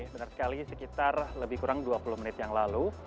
benar sekali sekitar lebih kurang dua puluh menit yang lalu